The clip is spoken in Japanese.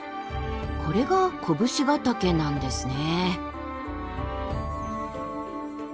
これが甲武信ヶ岳なんですね。